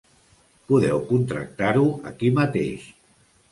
Podeu contractar-ho aquí mateix.